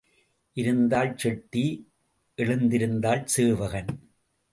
இருந்தால் செட்டி எழுந்திருந்தால் சேவகன்.